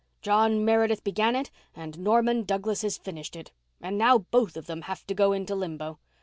John Meredith began it and Norman Douglas has finished it. And now both of them have to go into limbo.